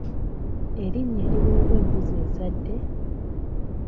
Erinnya eriweebwa embuzi ezadde?